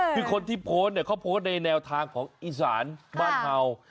พี่คนที่โพสเขาโพสในแนวทางอีสานบ้านเผ่า